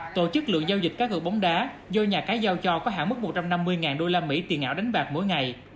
tổ chức lượng giao dịch cá gợi bóng đá do nhà cái giao cho có hạn mức một trăm năm mươi usd tiền ảo đánh bạc mỗi ngày